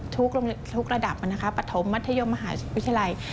ทุกระดับปฐมมัธยมมหาวิทยาลัย